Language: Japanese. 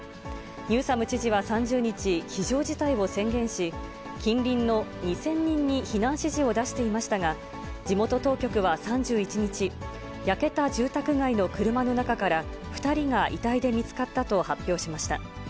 ニューサム知事は３０日、非常事態を宣言し、近隣の２０００人に避難指示を出していましたが、地元当局は３１日、焼けた住宅街の車の中から２人が遺体で見つかったと発表しました。